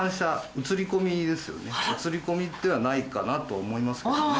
写り込みではないかなと思いますけどね。